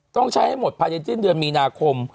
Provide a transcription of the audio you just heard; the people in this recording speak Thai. ต้องใช้ให้หมดภายในสิ้นเดือนมีนาคม